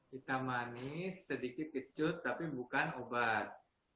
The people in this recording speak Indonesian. hitam manis sedikit kecut tapi bukan obat